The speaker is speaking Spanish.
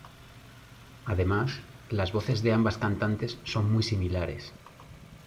Además, las voces de ambas cantantes son muy similares.